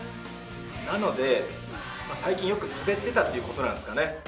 なので、最近よくすべってたってことなんですかね。